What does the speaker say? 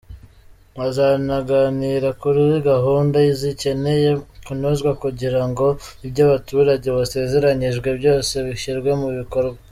Bazanaganira kuri gahunda zikeneye kunozwa kugira ngo ibyo abaturage basezeranyijwe byose bishyirwe mu bikorwa.